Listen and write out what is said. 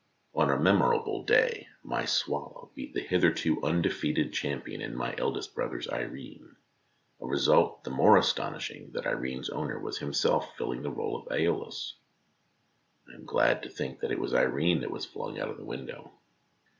On a memorable day my Swallow beat a hitherto undefeated cham pion in my eldest brother's Irene, a result the more astonishing that Irene's owner was himself filling the role of ^Eolus. I am glad to think it was Irene that was flung out of the window.